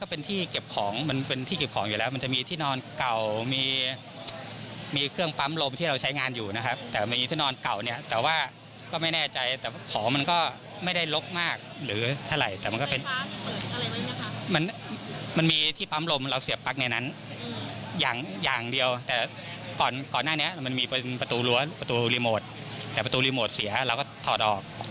ประตูรีโมทแต่ประตูรีโมทเสียแล้วก็ถอดออก